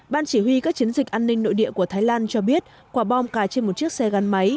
ban chỉ huy các chiến dịch an ninh nội địa của thái lan cho biết quả bom cài trên một chiếc xe gắn máy